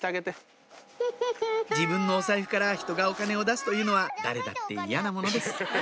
自分のお財布からひとがお金を出すというのは誰だって嫌なものです